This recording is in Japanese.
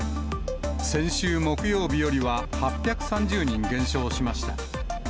先週木曜日よりは８３０人減少しました。